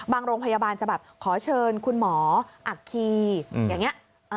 บางโรงพยาบาลจะขอเชิญคุณหมออัคครีตลอด